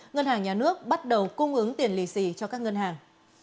ngân hàng nhà nước bắt đầu cung ứng tiền lì xì cho các ngân hàng